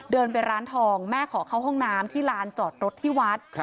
เดินไปร้านทองแม่ขอเข้าห้องน้ำที่ลานจอดรถที่วัด